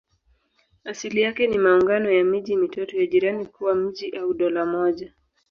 Asili yake ni maungano ya miji mitatu ya jirani kuwa mji au dola moja.